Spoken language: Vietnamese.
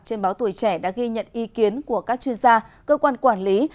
trên báo tuổi trẻ đã ghi nhận ý kiến của các chuyên gia cơ quan quản lý